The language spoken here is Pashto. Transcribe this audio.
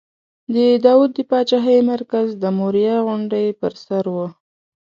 د داود د پاچاهۍ مرکز د موریا غونډۍ پر سر و.